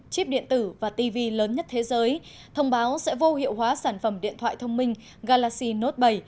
chip điện tử và tv lớn nhất thế giới thông báo sẽ vô hiệu hóa sản phẩm điện thoại thông minh galaxy note bảy